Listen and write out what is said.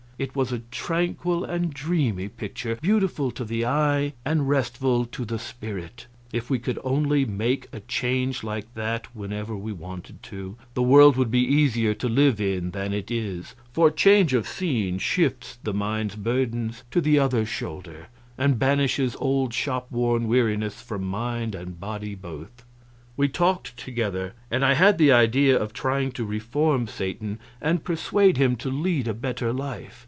It was a tranquil and dreamy picture, beautiful to the eye and restful to the spirit. If we could only make a change like that whenever we wanted to, the world would be easier to live in than it is, for change of scene shifts the mind's burdens to the other shoulder and banishes old, shop worn wearinesses from mind and body both. We talked together, and I had the idea of trying to reform Satan and persuade him to lead a better life.